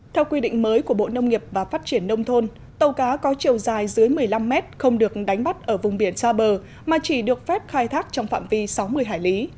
theo quy định mới của bộ nông nghiệp và phát triển nông thôn tàu cá có chiều dài dưới một mươi năm mét không được đánh bắt ở vùng biển xa bờ mà chỉ được phép khai thác trong phạm vi sáu mươi hải lý